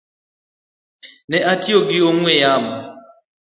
Ne atiyo gi ong’we yamo